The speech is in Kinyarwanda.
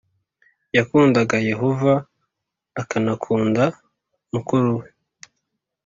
Yakundaga Yehova akanakunda mukuru we